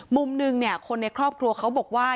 มุมหนึ่งคนในครอบครัวเขาบอกว่า